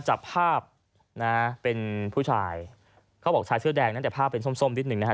จับภาพนะเป็นผู้ชายเขาบอกชายเสื้อแดงนั้นแต่ภาพเป็นส้มส้มนิดหนึ่งนะฮะ